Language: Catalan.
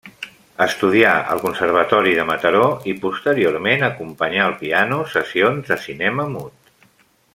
Estudià al conservatori de Mataró i posteriorment acompanyà al piano sessions de cinema mut.